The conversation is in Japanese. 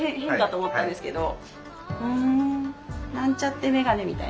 なんちゃってメガネみたいな。